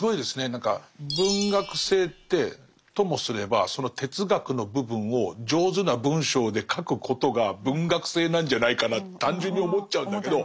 何か文学性ってともすればその哲学の部分を上手な文章で書くことが文学性なんじゃないかなって単純に思っちゃうんだけど。